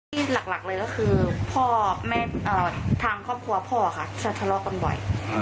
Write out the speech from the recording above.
ที่หลักเลยก็คือพ่อแม่ทางครอบครัวพ่อค่ะจะทะเลาะกันบ่อย